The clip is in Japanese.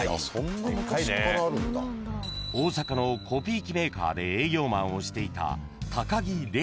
［大阪のコピー機メーカーで営業マンをしていた］